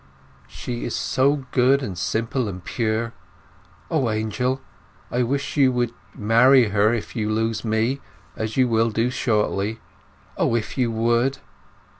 "She is so good and simple and pure. O, Angel—I wish you would marry her if you lose me, as you will do shortly. O, if you would!"